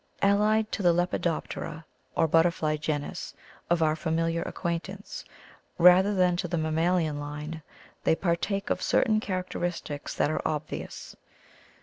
Allied to the lepidoptera, or butterfly genus, of our fa miliar acquaintance rather than to the mam malian line, they partake of certain charac teristics that are obvious.